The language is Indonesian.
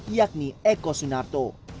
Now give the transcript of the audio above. yakni eko sunarto